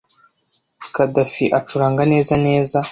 Khadafi acuranga neza neza.